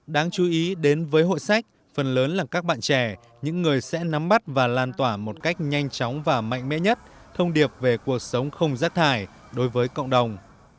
đáng chú ý đến với hội sách phần lớn là các bạn trẻ những người sẽ nắm bắt và lan tỏa một cách nhanh chóng và mạnh mẽ nhất thông điệp về cuộc sống không rác thải đối với cộng đồng